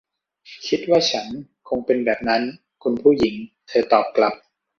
คิดว่าฉันคงเป็นแบบนั้น คุณผู้หญิง เธอตอบกลับ